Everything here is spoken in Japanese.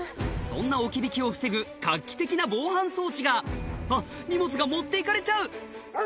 そんな置引を防ぐ画期的な防犯装置があっ荷物が持って行かれちゃう！